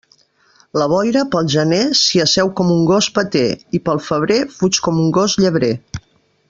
La boira, pel gener, s'hi asseu com un gos peter, i pel febrer fuig com un gos llebrer.